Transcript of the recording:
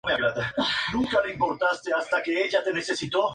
Pelias no lo reconoció, pero sintió miedo por el extranjero descalzo.